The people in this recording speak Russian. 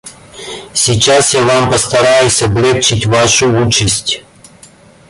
Сейчас я вам постараюсь облегчить вашу участь.